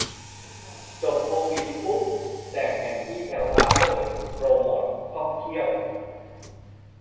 จบโควิดปุ๊บแจกแผนที่แถวบ้านเลย โปรโมตท่องเที่ยว